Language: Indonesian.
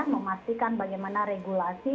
memastikan bagaimana regulasi